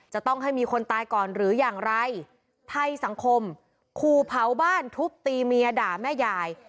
จะต้องให้มีคนตายก่อนหรืออย่างไรภัยสังคมขู่เผาบ้านทุบตีเมียด่าแม่ยาย